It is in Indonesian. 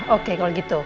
oke kalau gitu